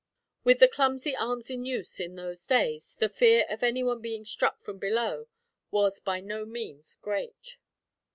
With the clumsy arms in use, in those days, the fear of any one being struck from below was by no means great.